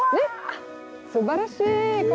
すばらしいここ。